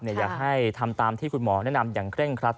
อยากให้ทำตามที่คุณหมอแนะนำอย่างเคร่งครัด